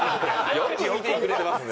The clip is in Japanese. よく見てくれてますね。